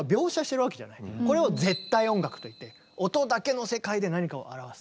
これを絶対音楽といって音だけの世界で何かを表す。